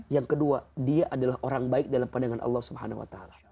yang kedua dia adalah orang baik dalam pandangan allah swt